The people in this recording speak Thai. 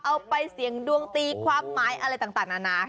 เอาไปเสี่ยงดวงตีความหมายอะไรต่างนานา